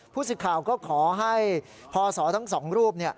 ผู้สิทธิ์ข่าวก็ขอให้พ่อสอทั้งสองรูป